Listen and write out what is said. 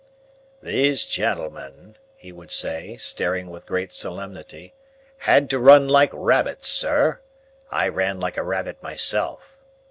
"These gentlemen," he would say, staring with great solemnity, "had to run like rabbits, sir. I ran like a rabbit myself.